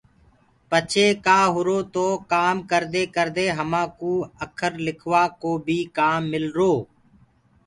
پڇي ڪآ هُرو تو ڪآم ڪردي ڪردي همانٚ ڪُو اکر لِکوآ ڪو بيِ ڪآم ملرو۔